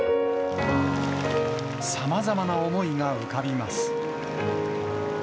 さまざまな思いが浮かびます。